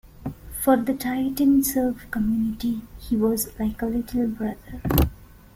For the Tahitian surf community, he was like a little brother.